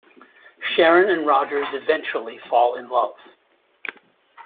Sharon and Rogers eventually fall in love.